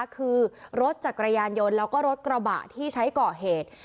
คือรถจักรยานยนต์แล้วก็รถกระบะที่ใช้ก่อเหตุ